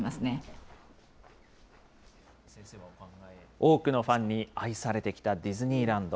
多くのファンに愛されてきたディズニーランド。